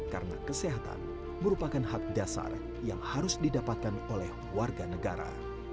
karena kesehatan merupakan hak dasar yang harus didapatkan oleh warga negara